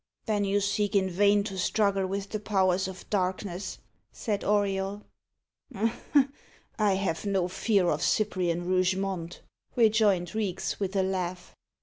"Then you seek in vain to struggle with the powers of darkness," said Auriol. "I have no fear of Cyprian Rougemont," rejoined Reeks, with a laugh.